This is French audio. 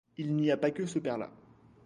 Il n'y a pas que ce père-là.